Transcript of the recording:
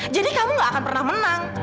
jadi kamu gak akan pernah menang